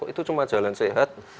itu cuma jalan sehat